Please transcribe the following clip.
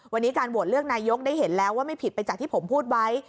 วันนี้การโหลดนายุกรัฐมนตรีได้เห็นแล้วว่าไม่ผิดไปจากที่ผมพูดไว้